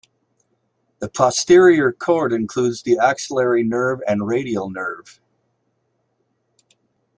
The posterior cord includes the axillary nerve and radial nerve.